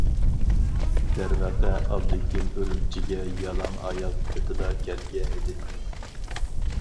دەرۋەقە، ئابلىكىم ئۈرۈمچىگە يالاڭ ئاياغ پېتىلا كەلگەنىدى.